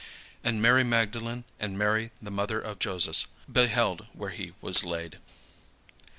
And Mary Magdalene and Mary the mother of Joses beheld where he was laid.